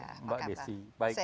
halo mbak desi